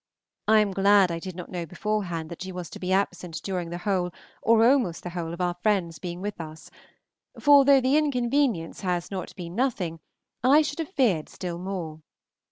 I am glad I did not know beforehand that she was to be absent during the whole or almost the whole of our friends being with us, for though the inconvenience has not been nothing, I should have feared still more.